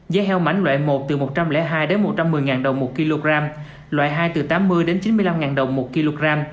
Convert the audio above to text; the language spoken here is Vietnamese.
giá heo mảnh loại một từ một trăm linh hai một trăm một mươi đồng một kg loại hai từ tám mươi đến chín mươi năm đồng một kg